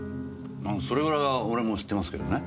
うんそれぐらいは俺も知ってますけどね。